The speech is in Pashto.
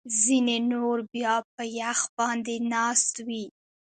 ځینې نور بیا په یخ باندې ناست وي